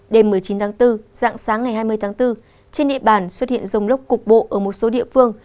đêm một mươi chín tháng bốn dạng sáng ngày hai mươi tháng bốn trên địa bàn xuất hiện rông lốc cục bộ ở một số địa phương